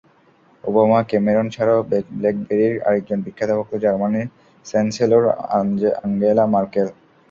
Obama, Cameron ছাড়াও ব্ল্যাকবেরির আরেকজন বিখ্যাত ভক্ত জার্মানির চ্যান্সেলর আঙ্গেলা ম্যার্কেল।